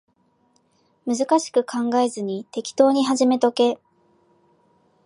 難しく考えずに適当に始めとけ